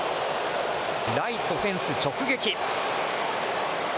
ライトフェンス直撃。